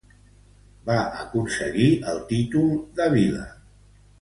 Va aconseguir el títol de vila.